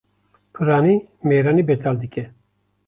Piranî mêranî betal dike